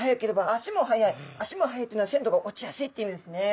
「足も早い」っていうのは鮮度が落ちやすいっていう意味ですね。